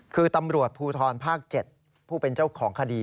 คือตำรวจภูทรภาค๗ผู้เป็นเจ้าของคดี